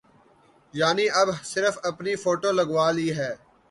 یعنی اب صرف اپنی فوٹو لگوا لی ہے۔